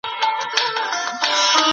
هغه د خپلې لور له تمرینونو الهام اخیست.